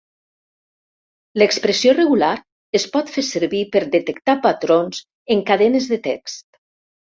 L'expressió regular es pot fer servir per detectar patrons en cadenes de text.